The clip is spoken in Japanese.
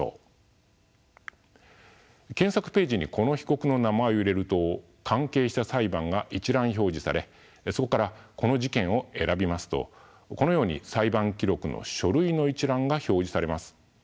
検索ページにこの被告の名前を入れると関係した裁判が一覧表示されそこからこの事件を選びますとこのように裁判記録の書類の一覧が表示されます。